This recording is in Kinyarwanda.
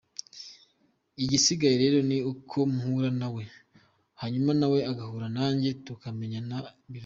Igisigaye rero ni uko mpura na we, hanyuma na we agahura nanjye tukamenyana biruseho.